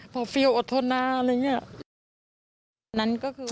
พอฟิลอดทนนะอะไรอย่างนี้